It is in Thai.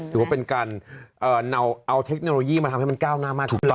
ถือว่าเป็นการเอาเทคโนโลยีมาทำให้มันก้าวหน้ามาก